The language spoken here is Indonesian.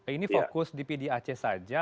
ini fokus di pdac saja